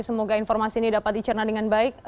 semoga informasi ini dapat dicerna dengan baik